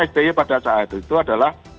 sby pada saat itu adalah